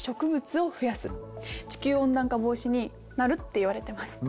地球温暖化防止になるっていわれてます。